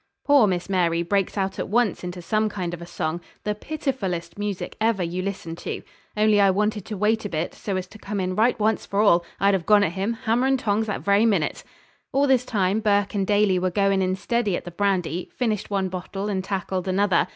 Poor Miss Mary breaks out at once into some kind of a song the pitifullest music ever you listened to. Only I wanted to wait a bit, so as to come in right once for all, I'd have gone at him, hammer and tongs, that very minute. All this time Burke and Daly were goin' in steady at the brandy, finished one bottle and tackled another.